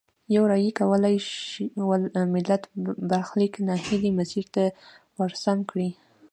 یوې رایې کولای شول ملت برخلیک نا هیلي مسیر ته ورسم کړي.